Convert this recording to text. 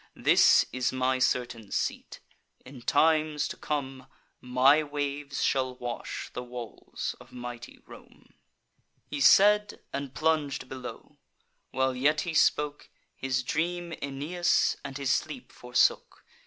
This is my certain seat. In times to come, My waves shall wash the walls of mighty Rome." He said, and plung'd below. While yet he spoke, His dream Aeneas and his sleep forsook.